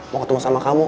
mau ketemu sama kamu